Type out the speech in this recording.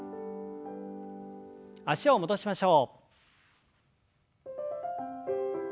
脚を戻しましょう。